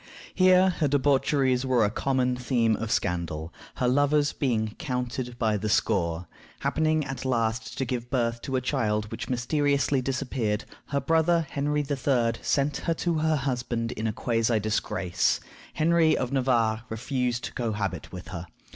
Here her debaucheries were a common theme of scandal, her lovers being counted by the score. Happening at last to give birth to a child which mysteriously disappeared, her brother Henry III. sent her to her husband in a quasi disgrace. Henry of Navarre refused to cohabit with her.